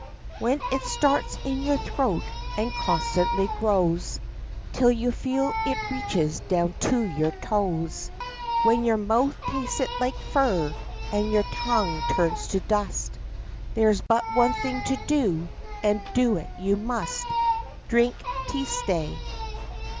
When it starts in your throat and constantly grows, Till you feel that it reaches down to your toes, When your mouth tastes like fur And your tongue turns to dust, There's but one thing to do, And do it you must, Drink teestay.